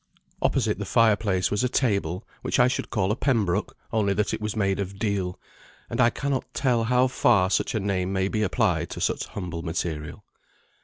Opposite the fire place was a table, which I should call a Pembroke, only that it was made of deal, and I cannot tell how far such a name may be applied to such humble material.